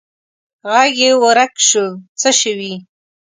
ږغ دي ورک سو څه سوي